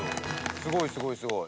すごいすごいすごい。